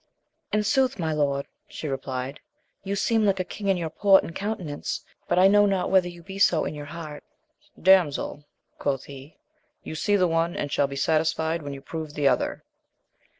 In sooth, my lord, she replied, you seem like a king in your port and countenance, but I know not whether you be so in heart. Damsel, quoth he, you see the one, and shall be satisfied when you prove the other.